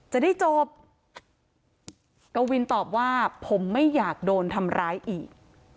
จะได้จบกวินตอบว่าผมไม่อยากโดนทำร้ายอีก